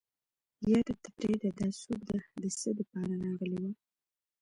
يره ته پرېده دا څوک ده د څه دپاره راغلې وه.